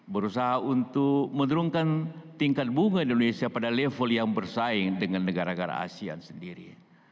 berusaha untuk menurunkan tingkat bunga indonesia pada level yang bersaing dengan negara negara asean sendiri